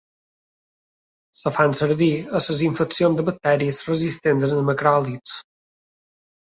Es fan servir en les infeccions de bacteris resistents als macròlids.